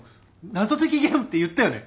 謎解きゲームって言ったよね？